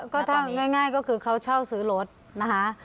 ก็ถ้าง่ายก็คือเขาเช่าซื้อรถนะคะ